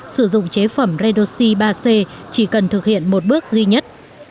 sử dụng chế phẩm redoxi ba c chỉ cần thực hiện một bước duy nhất